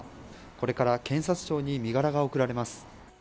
これから検察庁に身柄が送られます。